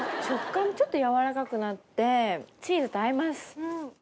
食感ちょっと軟らかくなってチーズと合います。